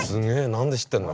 何で知ってんの？